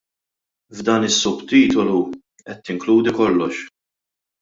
F'dan is-subtitolu qed tinkludi kollox.